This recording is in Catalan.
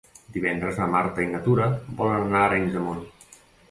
Divendres na Marta i na Tura volen anar a Arenys de Munt.